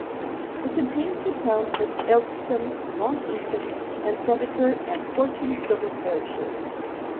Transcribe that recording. It contains the towns of Ilkeston, Long Eaton and Sandiacre and fourteen civil parishes.